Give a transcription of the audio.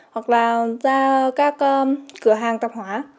hoặc là ra các cửa hàng tạp hóa